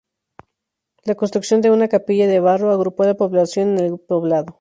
La construcción de una capilla de barro agrupó la población en el poblado.